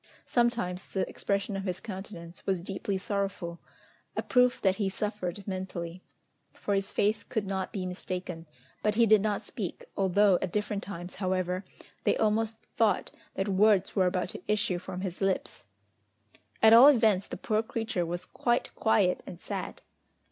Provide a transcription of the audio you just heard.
Sometimes the expression of his countenance was deeply sorrowful, a proof that he suffered mentally, for his face could not be mistaken; but he did not speak, although at different times, however, they almost thought that words were about to issue from his lips. At all events, the poor creature was quite quiet and sad!